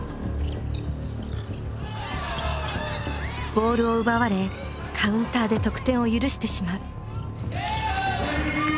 ボールを奪われカウンターで得点を許してしまう。